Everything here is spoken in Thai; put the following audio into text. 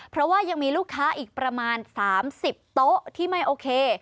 เพราะว่ายังมีลูกค้าอีกประมาณ๓๐โต๊ะที่ไม่โอเค